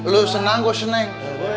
lo senang kok seneng